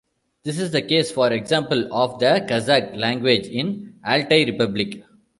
This is the case, for example, of the Kazakh language in Altai Republic.